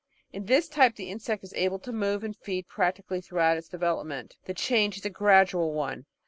In this type the insect is able to move and feed practically through out its development; the change is a gradual one.